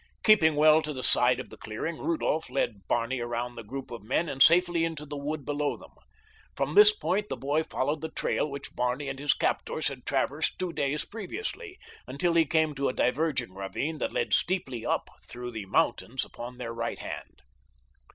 Keeping well to the far side of the clearing, Rudolph led Barney around the group of men and safely into the wood below them. From this point the boy followed the trail which Barney and his captors had traversed two days previously, until he came to a diverging ravine that led steeply up through the mountains upon their right hand.